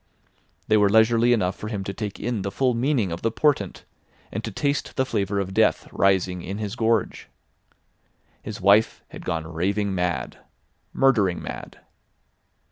They were leisurely enough for him to take in the full meaning of the portent, and to taste the flavour of death rising in his gorge. His wife had gone raving mad—murdering mad.